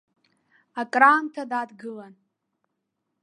Акраамҭа дадгылан.